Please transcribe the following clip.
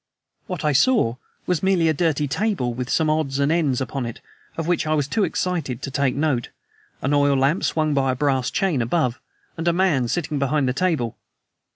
What I saw were merely a dirty table, with some odds and ends upon it of which I was too excited to take note, an oil lamp swung by a brass chain above, and a man sitting behind the table.